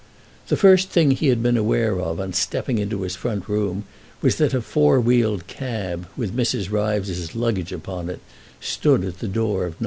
The first thing he had been aware of on stepping into his front room was that a four wheeled cab, with Mrs. Ryves's luggage upon it, stood at the door of No.